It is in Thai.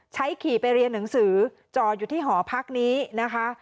ขี่ไปเรียนหนังสือจอดอยู่ที่หอพักนี้นะคะ